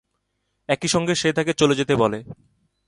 একই সঙ্গে সে তাকে চলে যেতে বলে।